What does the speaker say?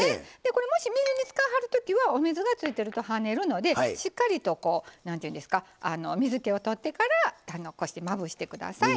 これもし水煮使わはるときはお水がついてるとはねるのでしっかりとこう何ていうんですか水けをとってからこうしてまぶしてください。